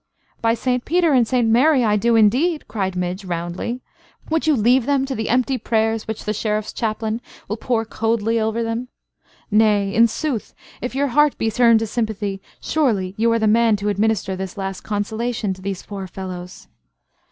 "By Saint Peter and Saint Mary, I do indeed," cried Midge, roundly. "Would you leave them to the empty prayers which the Sheriff's chaplain will pour coldly over them? Nay, in sooth, if your heart be turned to sympathy, surely you are the man to administer this last consolation to these poor fellows."